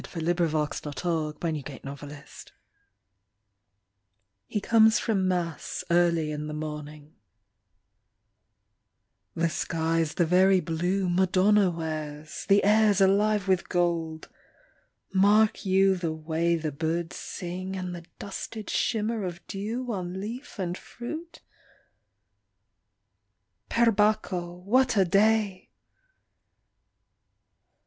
Oh, poor Pierrot. 79 THE MONK IN THE GARDEN He comes from Mass early in the morning The sky s the very blue Madonna wears; The air s alive with gold! Mark you the way The birds sing and the dusted shimmer of dew On leaf and fruit? ... Per Bacco, what a day!